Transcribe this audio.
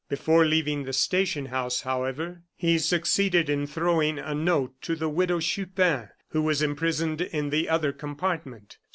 Before leaving the station house, however, he succeeded in throwing a note to the Widow Chupin, who was imprisoned in the other compartment.